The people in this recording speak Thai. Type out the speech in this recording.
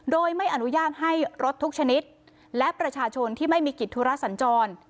โดยไม่อนุญาตให้รถทุกชนิดและประชาชนที่ไม่มีกิจธุระสัญจร